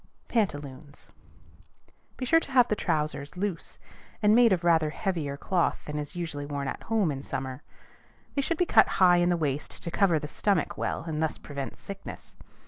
PANTALOONS. Be sure to have the trousers loose, and made of rather heavier cloth than is usually worn at home in summer. They should be cut high in the waist to cover the stomach well, and thus prevent sickness.